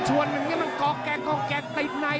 ชวนแหลงนี้มันก็แกลกติดใน